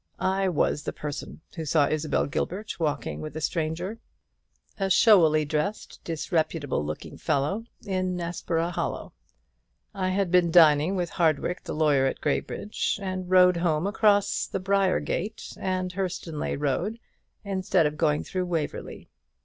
I was the person who saw Isabel Gilbert walking with a stranger a showily dressed disreputable looking fellow in Nessborough Hollow. I had been dining with Hardwick the lawyer at Graybridge, and rode home across country by the Briargate and Hurstonleigh Road, instead of going through Waverly.